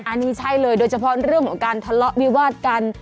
อันนี้ใช่เลยโดยเฉพาะเรื่องของการทะเลาะวิวาดกัน